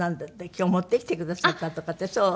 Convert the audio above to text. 今日持ってきてくださったとかそう？